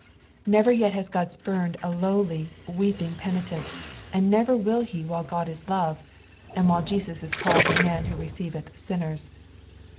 Never yet has God spurned a lowly, weep ing penitent, and never will he while Qod ia love, ana while Jesus is called the man who receiveth sinners.